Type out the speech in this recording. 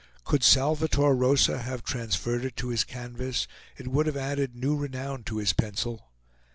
Could Salvator Rosa have transferred it to his canvas, it would have added new renown to his pencil.